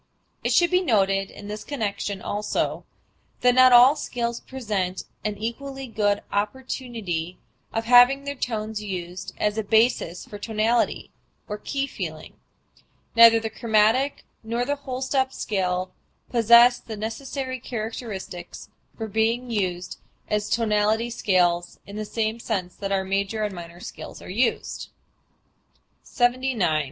It should be noted in this connection also that not all scales present an equally good opportunity of having their tones used as a basis for tonality or key feeling: neither the chromatic nor the whole step scale possess the necessary characteristics for being used as tonality scales in the same sense that our major and minor scales are so used. 79.